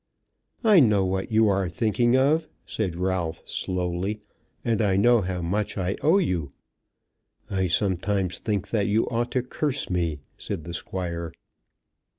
"I know what you're thinking of," said Ralph slowly; "and I know how much I owe you." "I sometimes think that you ought to curse me," said the Squire.